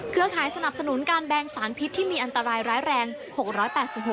เครือข่ายสนับสนุนการแบงก์สารพิษที่มีอันตรายร้ายแรง